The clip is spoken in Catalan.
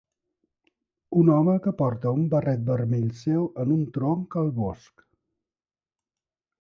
Un home que porta un barret vermell seu en un tronc al bosc.